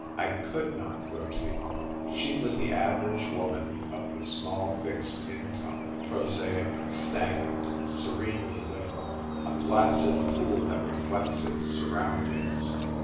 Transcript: I could not go to the aunt. She was the average woman of the small fixed income ; prosaic, stagnant, serenely literal ; a placid pool that reflects its surroundings.